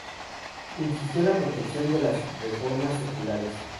Insistió en la protección de las reformas seculares.